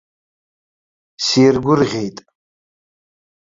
Сиргәырӷьеит.